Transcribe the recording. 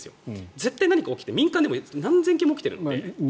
絶対に何か起きて、民間でも何千件も起きているので。